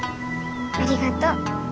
ありがとう。